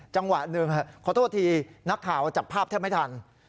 จังหวะหนึ่งขอโทษทีนักข่าวจับภาพแทบไม่ทัน